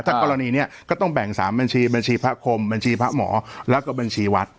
ถ้ากรณีนี้ก็ต้องแบ่ง๓บัญชีบัญชีพระคมบัญชีพระหมอแล้วก็บัญชีวัด